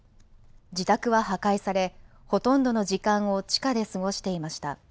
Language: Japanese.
自宅は破壊されほとんどの時間を地下で過ごしていました。